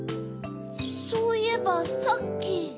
そういえばさっき。